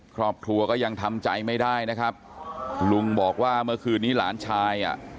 ครอบครัวก็ยังทำใจไม่ได้นะครับลุงบอกว่าเมื่อคืนนี้หลานชายอ่ะ